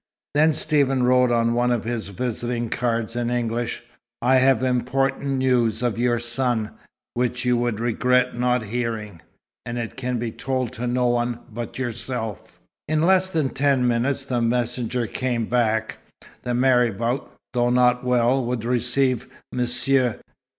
Then Stephen wrote on one of his visiting cards, in English. "I have important news of your son, which you would regret not hearing. And it can be told to no one but yourself." In less than ten minutes the messenger came back. The marabout, though not well, would receive Monsieur.